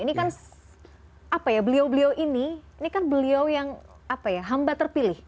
ini kan apa ya beliau beliau ini ini kan beliau yang hamba terpilih